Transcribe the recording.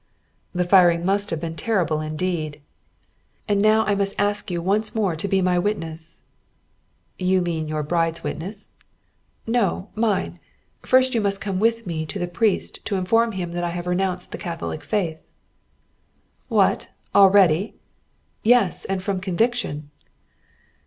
"The firing must have been terrible indeed." "And now I must ask you once more to be my witness." "You mean your bride's witness?" "No, mine. First you must come with me to the priest to inform him that I have renounced the Catholic faith." "What, already?" "Yes, and from conviction."